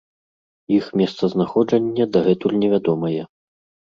Іх месцазнаходжанне дагэтуль невядомае.